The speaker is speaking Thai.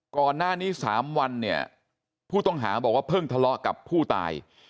ก่อนหน้านี้๓วันเนี่ยผู้ต้องหาบอกว่าเพิ่งทะเลาะกับผู้ตาย